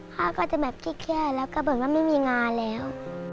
พ่อก็จะแบบเครียดแล้วก็เหมือนว่าไม่มีงานแล้ว